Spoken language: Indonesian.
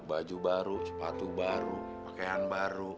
baju baru sepatu baru pakaian baru